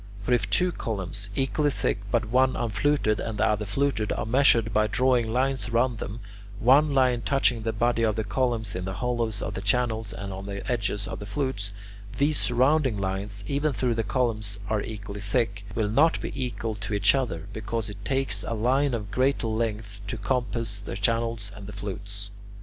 For if two columns, equally thick but one unfluted and the other fluted, are measured by drawing lines round them, one line touching the body of the columns in the hollows of the channels and on the edges of the flutes, these surrounding lines, even though the columns are equally thick, will not be equal to each other, because it takes a line of greater length to compass the channels and the flutes.